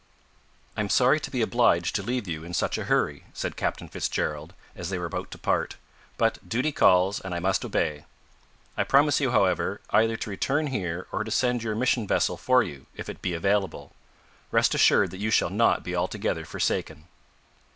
"I'm sorry to be obliged to leave you in such a hurry," said Captain Fitzgerald, as they were about to part, "but duty calls, and I must obey. I promise you, however, either to return here or to send your mission vessel for you, if it be available. Rest assured that you shall not be altogether forsaken."